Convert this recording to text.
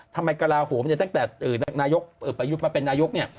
ทำไมกระลาวห่วงเนี่ยตั้งแต่นายกเป็นนายกเนี่ย